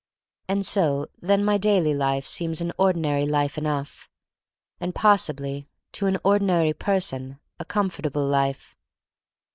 And so, then, my daily life seems an ordinary life enough, and possibly, to an ordinary person, a comfortable life.